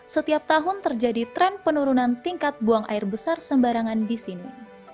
setiap tahun terjadi tren penurunan tingkat buang air besar sembarangan di sini